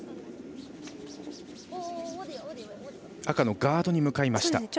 赤のガードに向かいました。